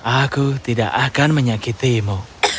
aku tidak akan menyakitiimu